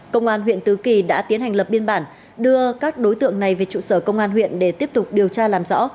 công an huyện tứ kỳ đã tiến hành lập biên bản đưa các đối tượng này về trụ sở công an huyện để tiếp tục điều tra làm rõ